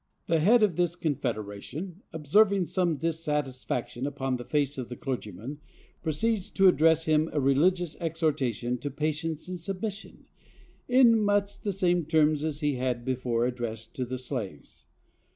The head of this confederation, observing some dissatisfaction upon the face of the clergyman, proceeds to address him a religious exhortation to patience and submission, in much the same terms as he had before addressed to the slaves.